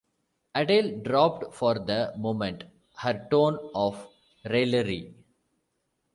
Adele dropped for the moment her tone of raillery.